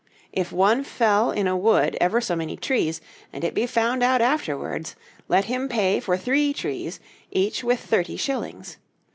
If one fell in a wood ever so many trees, and it be found out afterwards, let him pay for three trees, each with thirty shillings.